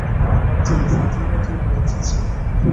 তিনি ফাতেমীয়দের বিরুদ্ধে ছিলেন।